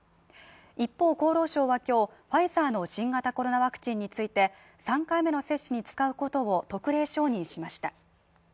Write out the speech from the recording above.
一方、厚労省は今日、ファイザーの新型コロナワクチンについて、３回目の接種に使うことを特例承認しました。